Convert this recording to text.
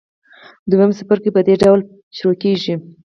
دویم څپرکی په دې ډول پیل کیږي.